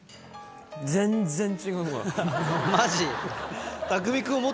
全然違うわ。